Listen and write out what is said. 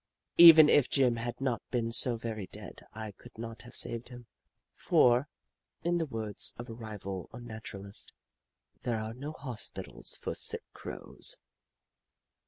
Even if Jim had not been so very dead I could not have saved him, for, in the words of a rival Unnaturalist, "there are no hospitals for sick Crows."